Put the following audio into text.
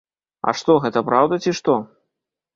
А што, гэта праўда, ці што?